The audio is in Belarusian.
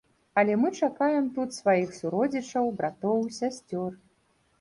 Але мы чакаем тут сваіх суродзічаў, братоў, сясцёр.